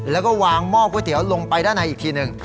แล้วก็วางหม้อก๋วยเตี๋ยวลงไปด้านในอีกทีหนึ่ง